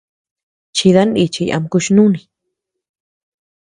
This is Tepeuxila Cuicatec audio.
Chidan nichiy ama kuch-nùni.